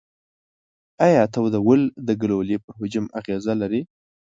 ایا تودول د ګلولې پر حجم اغیزه لري؟